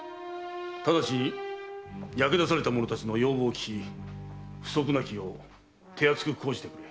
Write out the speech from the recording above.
直ちに焼け出された者たちの要望を聞き不足なきよう手厚く講じてくれ。